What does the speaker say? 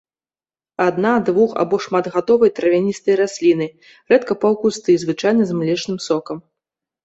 Адна-, двух- або шматгадовыя травяністыя расліны, рэдка паўкусты, звычайна з млечным сокам.